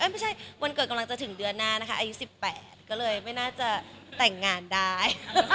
ไม่ใช่วันเกิดกำลังจะถึงเดือนหน้านะคะอายุ๑๘ก็เลยไม่น่าจะแต่งงานได้